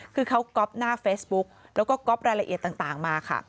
คือเขาก๊อปหน้าเฟซบุ๊กแล้วก็ก๊อปรายละเอียดต่างมาค่ะ